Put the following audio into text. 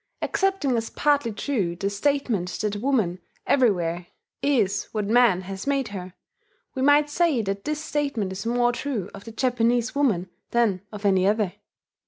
Accepting as partly true the statement that woman everywhere is what man has made her, we might say that this statement is more true of the Japanese woman than of any other.